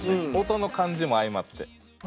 音の感じも相まって。